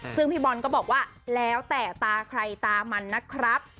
ซึ่งพี่บอลก็บอกว่าแล้วแต่ตาใครตามันนะครับ